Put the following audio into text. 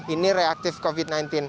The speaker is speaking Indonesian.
ini reaktif covid sembilan belas